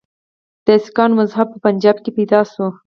د سکانو مذهب په پنجاب کې پیدا شو.